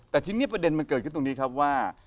แต่ทีนี้ประเด็นมันเกิดขึ้นตรงนี้ครับว่า